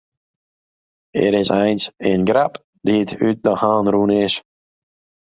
It is eins in grap dy't út de hân rûn is.